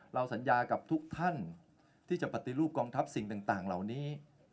สัญญากับทุกท่านที่จะปฏิรูปกองทัพสิ่งต่างเหล่านี้